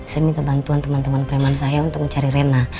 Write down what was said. saya minta bantuan teman teman preman saya untuk mencari rena